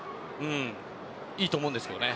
いいと思うんですけどね。